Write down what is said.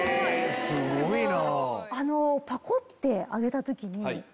すごいな。